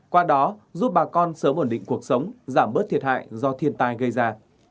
qua đó giúp bà con sớm ổn định cuộc sống giảm bớt thiệt hại do thiên tai gây ra